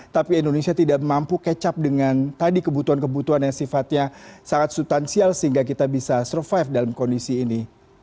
tapi indonesia tidak mampu kecap dengan tadi kebutuhan kebutuhan yang sifatnya sangat subtansial sehingga kita bisa survive dalam kondisi ini